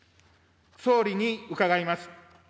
総理に伺います。